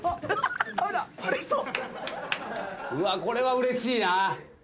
これはうれしいな。